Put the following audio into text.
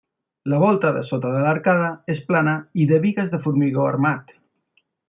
La volta de sota de l'arcada és plana i de bigues de formigó armat.